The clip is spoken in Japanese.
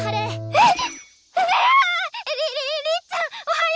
えっ？